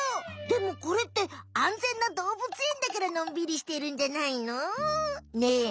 でもこれってあんぜんなどうぶつえんだからのんびりしてるんじゃないの？ねえ。